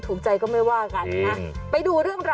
คุณอายทำไมฝนกันเยอะ